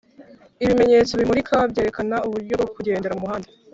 Ibimenyetso bimulika byerekana uburyo bwo kugendera mu muhanda